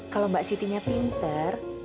kalau mbak sitinya pinter